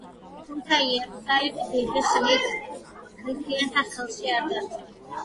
თუმცა, იერუსალიმი დიდი ხნით ქრისტიანთა ხელში არ დარჩენილა.